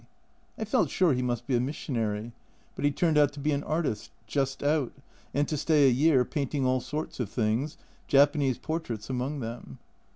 I felt sure he must be a missionary, but he turned out to be an artist, just out, and to stay a year, painting all sorts of things, Japanese portraits among them.